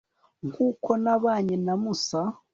nk'uko nabanye na musa